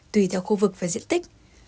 tùy theo khu vực và diện tích